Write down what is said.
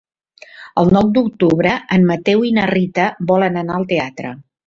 El nou d'octubre en Mateu i na Rita volen anar al teatre.